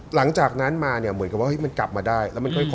หลังจากนั้นกลับมาได้